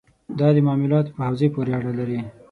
دا د معاملاتو په حوزې پورې اړه لري.